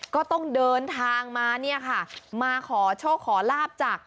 ก็ต้องเดินทางมาเนี่ยค่ะมาขอโชคขอลาบจาก